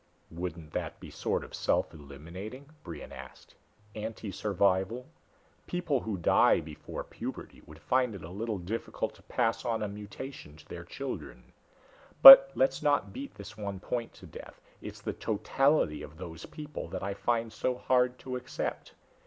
"Wouldn't that be sort of self eliminating?" Brion asked. "Anti survival? People who die before puberty would find it a little difficult to pass on a mutation to their children. But let's not beat this one point to death it's the totality of these people that I find so hard to accept.